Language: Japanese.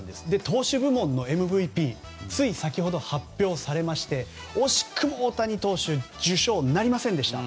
投手部門のＭＶＰつい先ほど発表されまして惜しくも大谷投手受賞なりませんでした。